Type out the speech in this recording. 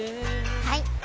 はい！